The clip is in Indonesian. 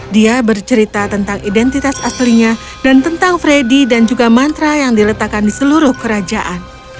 dia bercerita tentang identitas aslinya dan tentang freddy dan juga mantra yang diletakkan di seluruh kerajaan